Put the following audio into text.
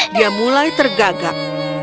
dia mulai tergagap